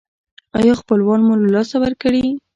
ایا خپلوان مو له لاسه ورکړي؟